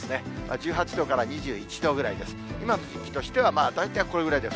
１８度から２１度ぐらいです。